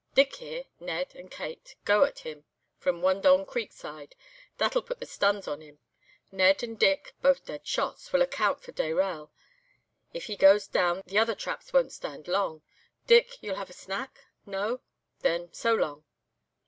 Dick here, Ned and Kate, go at him from Wandong Creek side. That'll put the stuns on him. Ned and Dick, both dead shots, will account for Dayrell. If he goes down the other traps won't stand long. Dick, you'll have a snack? No? Then, so long.